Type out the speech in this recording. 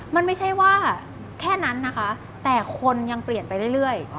มันไม่ใช่ว่าแค่นั้นนะคะแต่คนยังเปลี่ยนไปเรื่อย